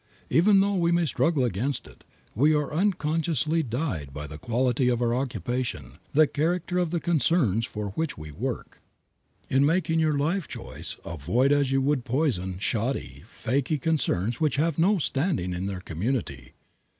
Even though we may struggle against it, we are unconsciously dyed by the quality of our occupation, the character of the concerns for which we work. In making your life choice, avoid as you would poison shoddy, fakey concerns which have no standing in their community.